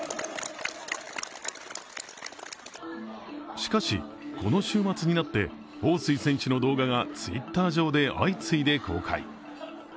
しかし、この週末になって彭帥選手の動画がＴｗｉｔｔｅｒ上で相次いで公開。